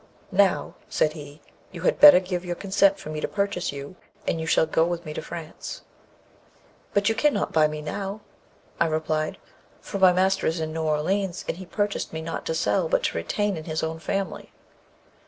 'Now,' said he, 'you had better give your consent for me to purchase you, and you shall go with me to France.' 'But you cannot buy me now,' I replied, 'for my master is in New Orleans, and he purchased me not to sell, but to retain in his own family.'